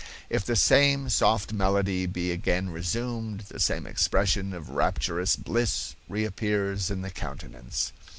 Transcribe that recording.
If the same soft melody be again resumed, the same expression of rapturous bliss reappears in the countenance.